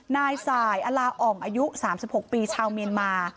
นายสายอลาอ่องอายุ๓๖ปีชาวเมียนมา